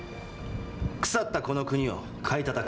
腐ったこの国を買いたたく。